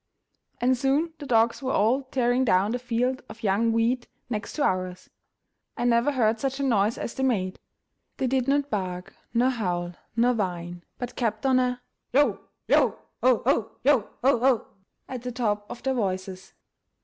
And soon the dogs were all tearing down the field of young wheat next to ours. I never heard such a noise as they made. They did not bark, nor howl, nor whine, but kept on a "yo! yo, o, o! yo, o, o!" at the top of their voices.